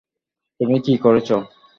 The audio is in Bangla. তুমি কী করেছ?